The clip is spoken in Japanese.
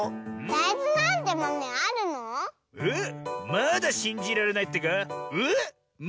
えっまだしんじられないってか？